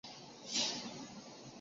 是下辖的一个乡。